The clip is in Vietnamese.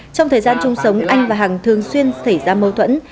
trong thời gian chung sống anh và hằng thường xuyên xảy ra mâu thuẫn